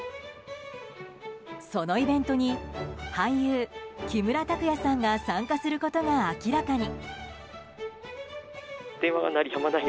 そのイベントに俳優・木村拓哉さんが参加することが明らかに。